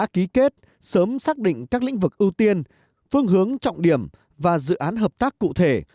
ký kết sớm xác định các lĩnh vực ưu tiên phương hướng trọng điểm và dự án hợp tác cụ thể